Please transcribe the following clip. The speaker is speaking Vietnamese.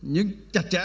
nhưng chặt chẽ